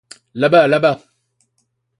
Là-bas, là-bas.